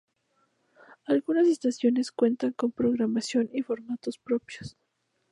Algunas estaciones cuentan con programación y formatos propios.